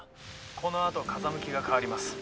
このあと、風向きが変わります。